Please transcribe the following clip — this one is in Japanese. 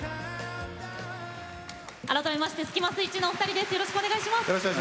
改めましてスキマスイッチのお二人です。